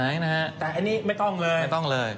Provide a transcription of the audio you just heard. นะฮะแต่อันนี้ไม่ต้องเลย